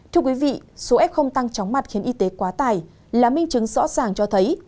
thưa quý vị số f tăng chóng mặt khiến y tế quá tài là minh chứng rõ ràng cho thấy